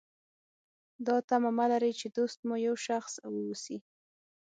دا تمه مه لرئ چې دوست مو یو ښه شخص واوسي.